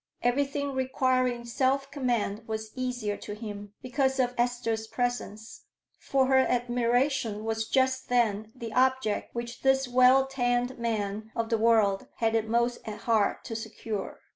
Everything requiring self command was easier to him because of Esther's presence; for her admiration was just then the object which this well tanned man of the world had it most at heart to secure.